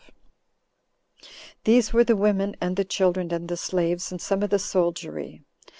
These were the women, and the children, and the slaves, and some of the soldiery.